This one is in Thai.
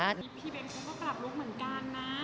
พี่เบนคงก็ปรับลุกเหมือนกันนะ